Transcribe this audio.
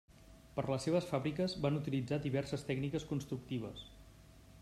Per les seves fàbriques van utilitzar diverses tècniques constructives.